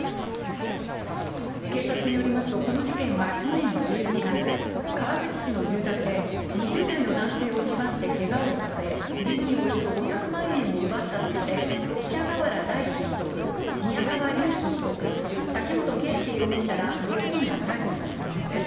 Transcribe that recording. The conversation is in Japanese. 警察によりますと、この事件は去年１１月、川口市の住宅で２０代の男性を縛ってけがをさせ、現金およそ５００万円を奪ったとして、北河原だいち被告、宮川隆輝被告、滝本圭祐容疑者ら６人が逮捕されたものです。